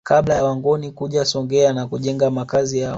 Kabla ya Wangoni kuja Songea na kujenga Makazi yao